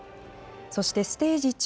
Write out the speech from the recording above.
そしてステージ